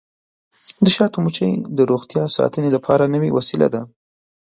د شاتو مچۍ د روغتیا ساتنې لپاره نوې وسیله ده.